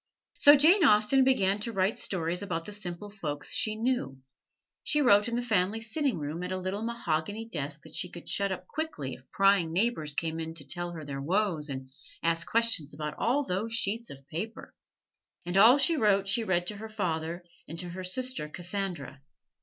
So Jane Austen began to write stories about the simple folks she knew. She wrote in the family sitting room at a little mahogany desk that she could shut up quickly if prying neighbors came in to tell their woes and ask questions about all those sheets of paper! And all she wrote she read to her father and to her sister Cassandra.